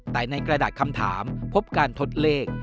แต่ในกระดาษคำถามพบการทดเลข